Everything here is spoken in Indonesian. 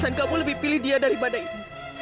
dan kamu lebih pilih dia daripada ibu